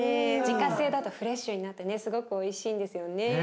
自家製だとフレッシュになってねすごくおいしいんですよね。